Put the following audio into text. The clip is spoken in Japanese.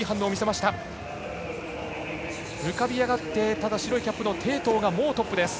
浮かび上がってただ白いキャップの鄭濤がもうトップです。